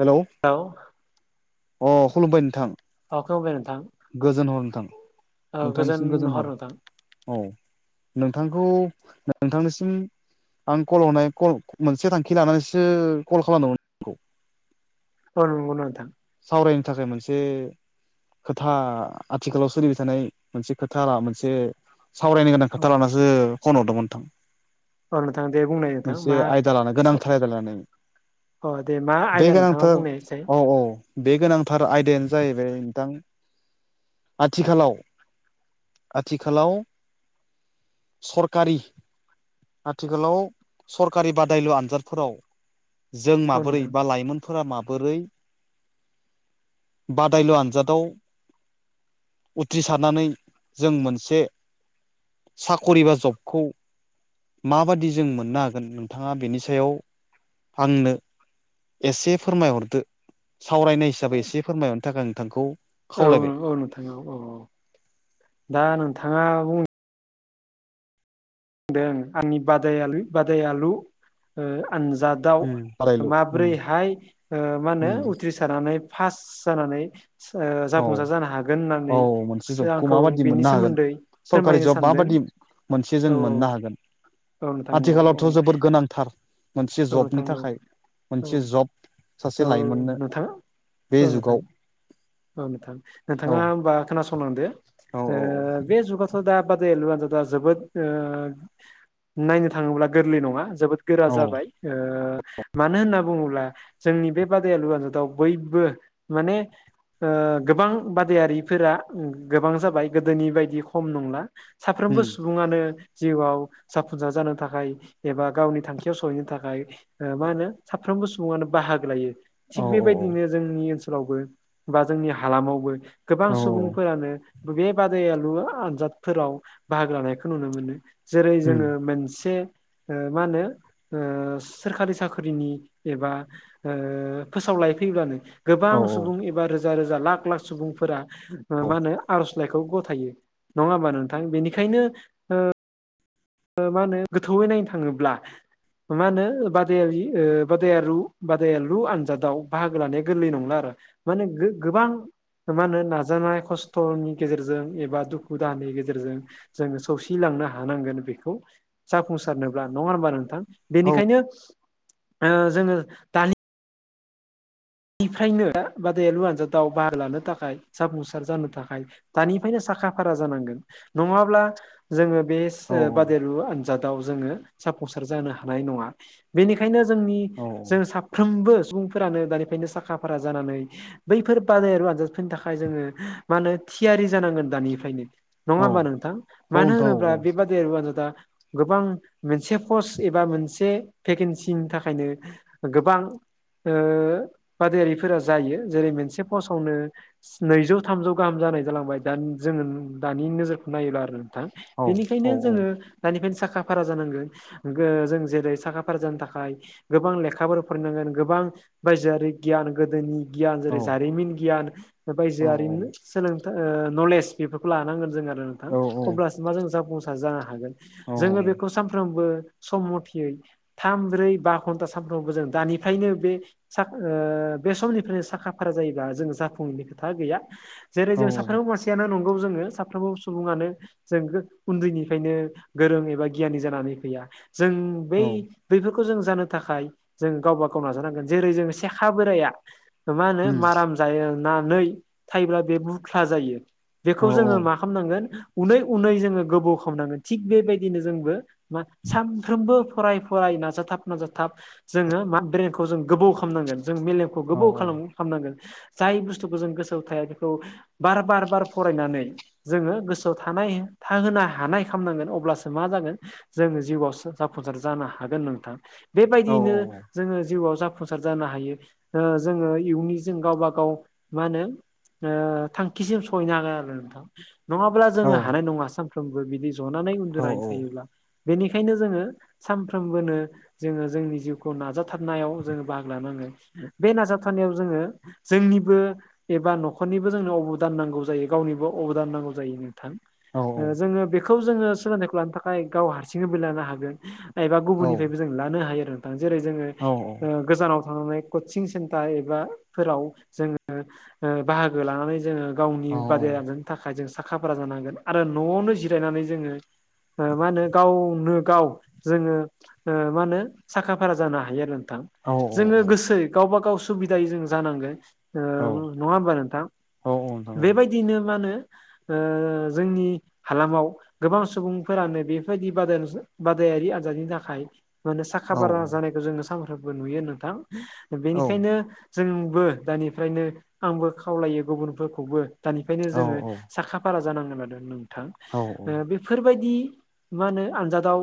Hello औ अ खुलुमबाय नोंथां [unintelligible] नोंथां गोजोन हर नोंथां नोंथांनिसिम गोजोन हर औ नोंथांखौ नोंथांनिसिम आं कल हरनायल मोनसे थांखि लानानैसो कल खालामदोंमोन औ नंगौ नोंथां सावरायनो थाखाय मोनसे खोथा आथिखालाव सोलिबाय थानाय मोनसे खोथा मोनसे सावरायनो गोनां औ खोथा लानसो फन हरदोंमोन नोंथां औ नोंथां दे बुंनाय नोंथां मोनसे मा आयदा लानो गोनांथार आयदा लानानै अ दे मा बे आयदा नोंथाङा गोनांथार बुंनायसाय औ औ बे गोनांथार आयदायानो जाहैबाय नोंथां आथिखालाव आथिखालाव सरकारि आथिखालाव सरकारि बादायलु आनजादफोराव जों औ माबोरै नोंथां बा लाइमोनफोरा माबोरै बादायलु आनजादाव उथ्रिसारनानै जों मोनसे साकरि बा जबखौ माबादि जों मोननो हागोन नोंथाङा बेनि सायाव आंनो एसे फोरमायहरदो सावरायनाय हिसाबै एसे फोरमायहरनो थाखाय नोंथांखौ औ खावलायबाय नंगौ नोंथां दा नोंथाङा बुं दों आंनि बादाय बादायलु ओ आनजाद दाउ बादायलु उम माब्रैहाय ओ मा होनो उम उथ्रिसारनानै फास जानानै ओ औ जाफुंसार जानो हागोन औ होननानै मोनसे जबखौ आंखौ माबादि बेनि मोननो हागोन सोमोन्दै सरकारि फोरमायनो जब सानदों माबादि मोनसे जों औ मोननो हागोन औ नोंथां औ औ आथिखालावथ' जोबोद गोनांथार मोनसे औ जबनि नोंथां औ थाखाय औ मोनसे जब सासे औ लाइमोननो नोंथां बे औ नोंथां जुगाव औ नोंथां औ नोंथाङा होनबा खोनासंलांदो औ ओ बे जुगाथ' दा बादाय दा जोबोद ओ नायनो थाङोब्ला गोरलै नङा जोबोद गोरा औ जाबाय ओ मानो होनना बुङोब्ला जोंनि बे बादायलु आन्जादाव बयबो माने ओ गोबां बादायारिफोरा गोबां जाबाय गोदोनि बायदि खम नंला साफ्रोमबो उम सुबुं सुबुङानो जिउआव जाफुंसार जानो थाखाय एबा गावनि थांखियाव सहैनो थाखाय ओ मा होनो साफ्रोमबो सुबुङानो बाहागो लायो औ थिग औ बेबायदिनो जोंनि ओनसोलावबो बा जोंनि हालामावबो औ गोबां सुबुंफोरानो बे बादायलु आनजादफोराव बाहागो लानायखौ नुनो मोनो जेरै उम जोङो मोनसे मा होनो सोरखारि साख्रिनि एबा फोसावलाय फैब्लानो औ गोबां सुबुं एबा रोजा रोजा लाख लाख सुबुंफोरा मा होनो आर'जलाइखौ गथायो नङा हाबा नोंथां बेनिखायनो मा होनो गोथौयै नायनो थाङोब्ला मा होनो बादायलि बादायालु बादायालु आनजादाव बाहागो लानाया गोरलै नंला आरो। माने गो गोबां मा होनो नाजानाय खस्थ'नि गेजेरजों एबा दुखु दाहानि गेजेरजों जोङो सौसिलांनो हानांगोन बेखौ खौ जाफुंसारनोब्ला नङा होनबा नोंथां औ बेनिखायनो जोङो दानि निफ्रायनो बादायलु आनजादाव बाहागो लानो थाखाय जाफुंसार जानो थाखाय दानिफ्रायनो साखा फारा जानांगोन नङाब्ला जोङो बे औ बादेरु आनजादाव जोङो जाफुंसार जानो हानाय नङा। बेनिखायनो जोंनि औ जों साफ्रोमबो सुबुंफोरानो दानिफ्रायनो साखा फारा जानानै बैफोर बादायारिु आनजादफोरनि थाखाय जोङो मा होनो थियारि जानांगोन दानिफ्रायनो नङा औ होमबा नोंथां मानो नोंथां होनोब्ला बेबादि दा गोबां मोनसे पस्ट एबा मोनसे भेकेन्सिनि थाखायनो गोबां बादायारिफोरा जायो जेरै मोनसे फसावनो नैजौ थामजौ गाहाम जानाय जालांबाय दा जोङो दानि नोजोरखौ नायोबा आरो। औ औ बेनिखायनो जोङो दानिफ्रायनो साखा फारा जानांगोन। जों जेरै साखा फार जानि थाखाय गोबां लेखाफोर फरायनांगोन गोबां बायजोआरि गियान गोदोनि गियान औ जेरै जारिमिन गियान औ बायजोआरिनो सोलोंथाइ नलेज बेफोरखौ लानांगोन जों आरो नोंथां औ अब्लासो मा जों जाफुंसार जानो हागोन। औ जोङो बेखौ सानफ्रोमबो सम मथयै थाम ब्रै बा घन्टा सानफ्रामबो जों दानिफ्रायनो बे स बे समनिफ्रायनो साखा फारा जायोबा जों जाफुङैनि खोथा गैया। जेरै औ उम औ जों औ साफ्रोमबो औ मानसियानो नंगौ जोङो साफ्रोमबो सुबुङानो जों उन्दैनिफ्रायनो गोरों एबा गियानि जानानै फैया। जों बै बफोरखौ जों जानो थाखाय जों गावबा गाव नाजानांगोन जेरै जों सेखा बोराइाया मा होनो औ माराम जानानै थायोब्ला बे बुख्ला जायो। बेखौ नोंथां औ जोङो मा खालामनांगोन उनै उनै जोङो गोबौ खालामनांगोन थिग बेबायदिनो जोंबो मा सानफ्रोमबो फराय फराय नाजाथाब नाजाथाब जोङो म ब्रेनखौ जों गोबौ खालाम। खालामनांगोन जों मेलेमखौ औ गोबाव खालाम खालामनांगोन जाय बुस्थुखौ जों गोसोआव थाया बेखौ। बार बार बार फरायनानै जोङो गोसोआव थानाय थाहोनो हानाय खालामनांगोन अब्लासो मा जागोन। जोङो जिउआव जाफुंसार जानो हागोन नोंथां बेबायदियैनो जोङो जिउआव जाफुं सफसार जानो हायो जोङो इयुननि जों गावबा गाव मा होनो। थांखिसिम सहैनो हागोन आरो नोंथां। नङाब्ला जोङो हानाय नङा सानफ्रोमबो बिदि जनानै उन्दुनानै थायोब्ला बेनिखायनो जोङो सानफ्रोमबो जोङो जोंनि जिउखौ नाजाथारनायाव जोङो बाग लानाङो बे नाजाथाबनायाव जोङो जोंनिबो एबा न'खरनिबो जोंनो अबदान नांगौ जायो गावनिबो अबदान नांगौ जायो नोंथां। औ उम औ जोङो बेखौ जोङो सोलोंथाइखौ लानो थाखाय गाव हारसिङैबो लानो हागोन। एबा गुबुननिफ्रायबो जों लानो हायो आरो नोंथां जेरै जोङो औ औ। ओ गोजानाव थांनानै कचिं सेन्टार एबा फोराव जोङो बाहागो लानानै जोङो गावनि बादायनो थाखाय जों साख खाफ्रा जानांगोन आरो न'आवनो जिरायनानै जोङो मा होनो गावनो गाव जोङो ओ मा होनो साखा फारा जानो हायो आरो नोंथां जोङो गोसो गावबा गाव सुबिदायै जों जानांगोन ओं नङा होमबा नोंथां बेबायदिनो मा होनो ओ जोंनि हालामाव गोबां सुबुंफोरानो बेफोरदि बादाय बादायारि आजादनि थाखाय साखा फारा जानायखौ जोङो सानफ्रोमबो नुयो नोंथां बेनिखायनो जोंबो दानिफ्रायनो आंबो खावलायो गुबुनफोरखौबो दानिफ्रायनो जोङो साखा फारा जानांगोन आरो नोंथां औ ओ बेफोरबायदि मा होनो आनजादाव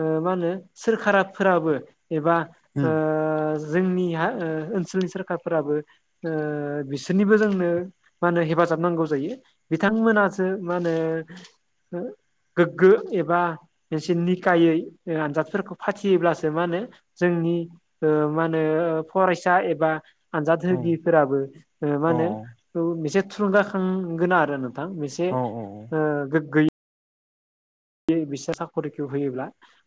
ओ मा होनो सोरखाराफोराबो एबा ओ जोंनि हा ओनसोलनि सोरखारफोराबो ओ बिसोरनिबो जोंनो मा होनो हेफाजाब नांगौ जायो बिथांमोनासो मा होनो गोग्गो एबा एसे निकायै आनजादफोरखौ फाथियोब्लासो मा होनो जोंनि ओ मा होनो फरायसा एबा आनजाद होगिफोराबो मा होनो ओ मोनसे थुलुंगाखांगोन आरो नोंथां मोनसे बे बिसा साख'रिखौ होयोब्ला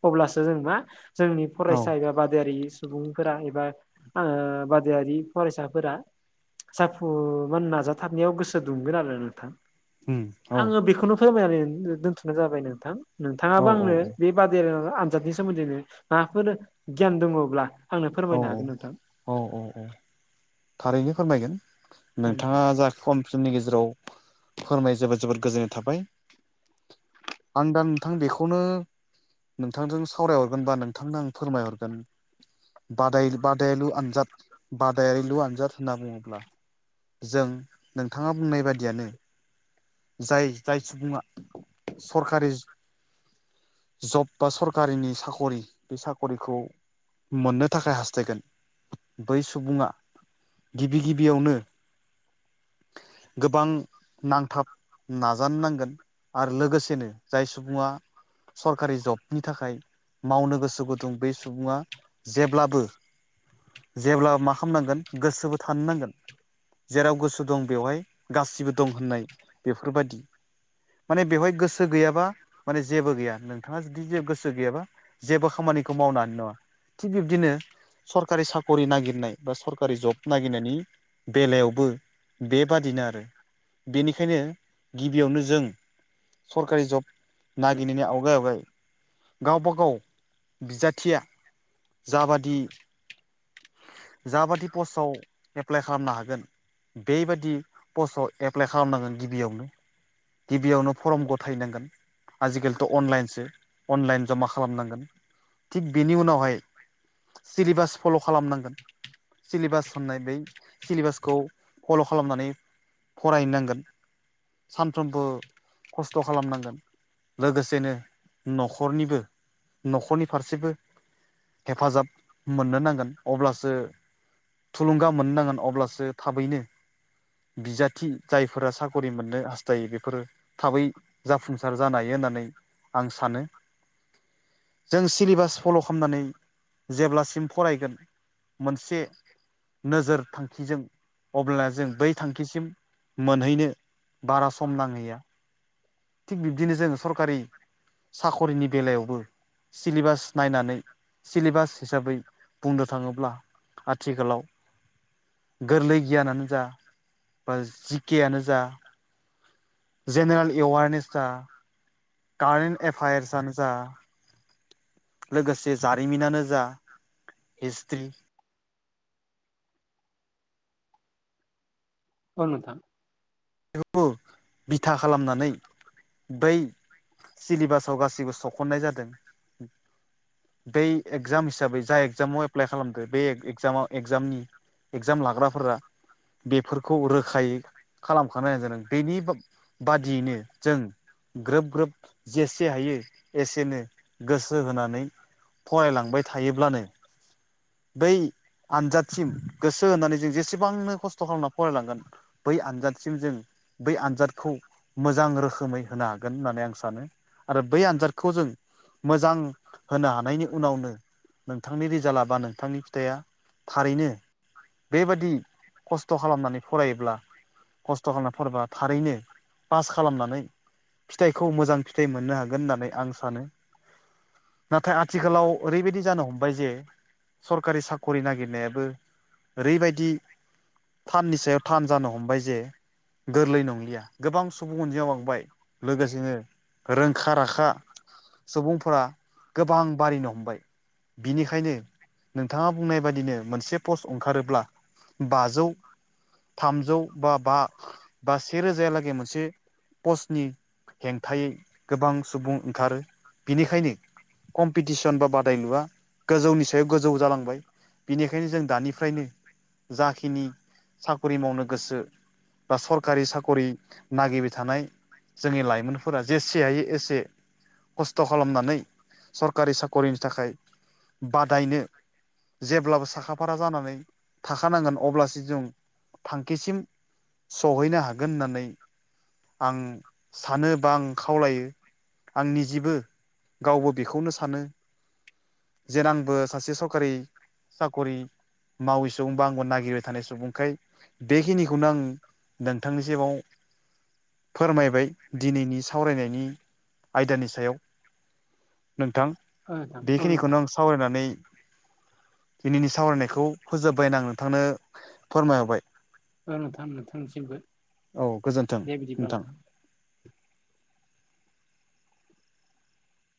अब्लासो जों मा जोंनि औ फरायसा एबा बादायारि सुबुंफोरा एबा ओ बादायारि फरायसाफोरा जाफुगोन नाजाथाबनायाव गोसो दुंगोन आरो नोंथां उम आङो बेखौनो फोरमायनानै दोनथ'नाय जाबाय नोंथां औ नोंथाङाबो आंनो बे बादायारि आनजादनि सोमोन्दैनो माबाफोर गियान दङोब्ला आंनो फोरमायनो हागोन नोंथां औ-औ-औ थारैनो फोरमायगोन नोंथाङा जा खम समनि गेजेराव फोरमाय जोबोद जोबोद गोजोननाय थाबाय आं दा नोंथां बेखौनो नोंथांजों सावरायहरगोनबा नोंथांनो आं फोरमायहरगोन बादाय बादायलु आनजाद बादायलु आनजाद होनना बुङोब्ला जों नोंथाङा बुंनाय बायदियानो जाय जाय सुबुङा सरखारि जब बा सरकारिनि साक'रि बे साक'रिखौ मोननो थाखाय हास्थायगोन बै सुबुङा गिबि गिबियावनो गोबां नांथाब नाजानो नांगोन आरो लोगोसेनो जाय सुबुङा सरकारि जबनि थाखाय मावनो गोसो गुदुं बै सुबुङा जेब्लाबो जेब्ला मा खामनांगोन गोसोबो थानो नांगोन जेराव गोसो दं बेवहाय गासिबो दं होननाय बेफोर बायदि माने बेवहाय गोसो गैयाबा माने जेबो गैया नोंथाङा जुदि जे गोसो गैयाबा जेबो खामानिखौ मावनो हानाय नङा थिग बिब्दिनो सरकारि सक'रि नागिरनाय बा सरकारि जब नागिरनायनि बेलायावबो बेबादिनो आरो बेनिखायनो गिबियावनो जों सरकारि जब नागिरनायनि आवगाय आवगाय गावबागाव बिजाथिया जाबादि जाबादि पस्टआव एप्लाइ खालामनो हागोन बेबादि पस्टआव एप्लाइ खालामनांगोन गिबियावनो गिबियावनो फरम गथायनांगोन आजिखालिथ' अनलाइनसो अनलाइन जमा खालामनांगोन थिग बेनि उनावहाय सिलेबास फल' खालामनांगोन सिलेबास होननाय बै सिलेबासखौ फल' खालामनानै फरायनांगोन सानफ्रोमबो खस्थ' खालामनांगोन लोगोसेनो न'खरनिबो न'खरनि फारसेबो हेफाजाब मोननो नांगोन अब्लासो थुलुंगा मोननांगोन अब्लासो थाबैनो बिजाथि जायफोरा सायख खरि मोननो हास्थायो बेफोरो थाबै जाफुंसार जानो हायो होननानै आं सानो [inaudible] जों सिलेबास फल' खालामनानै जेब्लासिम फरायगोन मोनसे नोजोर थांखिजों अब्ला जों बै थांखिसिम मोनहैनो बारा सम नांहैया थिग बिब्दिनो जोङो सरकारि साख'रिनि बेलायावबो सिलेबास नायनानै सिलेबास हिसाबै बुंनो थाङोब्ला आथिखालाव गोरलै गियानानो जा बा जिकेयानो जा जेनेरेल एवारनेस जा कारेन्ट एफायार्सआनो जा लोगोसे जारिमिनानो जा हिस्ट्रि औ नोंथां बेखौबो बिथा खालामनानै बै सिलबासाव गासिबो सख'नाय जादों दै एगजाम हिसाबै जा एगजामाव एप्लाइ खालामदो बे एगजामाव एगजामनि एगजाम लाग्राफोरा बेफोरखौ रोखायै खालामखानाय जादों बेनि बादियैनो जों ग्रोब ग्रोब जेसे हायो एसेनो गोसो होनानै फरायलांबाय थायोब्लानो बै आनजादसिम गोसो होनानै जों जेसेबांनो खस्थ' खालामनानै फरायलांगोन बै आनजाद सिम जों बै आनजादखौ मोजां रोखोमै होनो हागोन होननानै आं सानो आरो बै आनजादखौ जों मोजां होनो हानायनि उनावनो नोंथांनि रिजाल्टआ बा नोंथांनि फिथाइया थारैनो बेबादि खस्थ' खालामनानै फरायोब्ला खस्थ' खालामना फरायबा थारैनो पास खालामनानै फिथाइखौ मोजां फिथाइ मोननो हागोन होननानै आं सानो नाथाय आथिखालाव ओरैबायदि जानो हमबाय जे सरकारि साख'रि नागिरनायाबो ओरैबायदि थाननि सायाव थान जानो हमबाय जे गोरलै नंलिया गोबां सुबुं अनजिमा बांबाय लोगोसेनो रोंखा राखा सुबुंफोरा गोबां बारिनो हमबाय बिनिखायनो नोंथाङा बुंनाय बाददिनो मोनसे पस्ट ओंखारोब्ला ब बाजौ थामजौ बा बा बा से रोजायालागै मोनसे पस्टनि हेंथायै गोबां सुबुं ओंखारो बेनिखायनो कम्पिटिसन बा बादायलुवा गोजौनि सायाव गोजौ जालांबाय बिनिखायनो जों दानि फ्रायनो जाखिनि साख्रि मावनो गोसो बा सरकारि साखरि नागिबाय थानाय जोंनि लाइमोनफोरा जेसे हायो एसे खस्थ' खालामनानै सरकारि साख'रिनि थाखाय बादायनो जेब्लाबो साखा फारा जानानै थाखानांगोन अब्लासो जों थांखिसिम सहैनो हागोन होननानै आं सानो बा आं खावलायो आंनि जेबो गावबो बेखौनो सानो जेने आंबो सासे सरकारि साखरि मावै सुबुं बा आंबो नागिरबाय थानाय सुबुंखाय बेखिनिखौनो आं नोंथांनि जिउआव फोरमायबाय दिनैनि सावरायनायनि आयदानि सायाव नोंथां औ नोंथां औ नोंथां बेखिनिखौनो आं सावरायनानै। दिनैनि सावरायनायखौ फोजोब्बायना आं नोंथांनो फोरमायहरबाय थांनो थांसिमबो। औ गोजोन्थों नोंथां।